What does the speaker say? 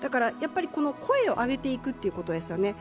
声を上げていくということですよね。